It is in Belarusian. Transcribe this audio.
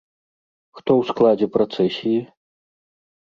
Хто ў складзе працэсіі?